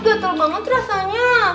gatel banget rasanya